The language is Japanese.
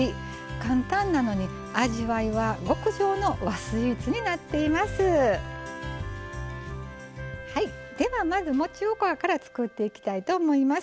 簡単なのに味わいは極上の和スイーツになっています。